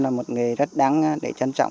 là một nghề rất đáng để trân trọng